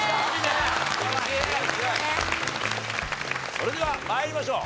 それでは参りましょう。